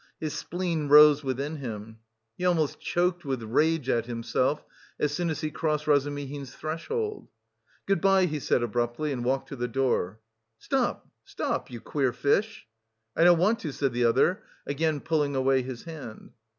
His spleen rose within him. He almost choked with rage at himself as soon as he crossed Razumihin's threshold. "Good bye," he said abruptly, and walked to the door. "Stop, stop! You queer fish." "I don't want to," said the other, again pulling away his hand.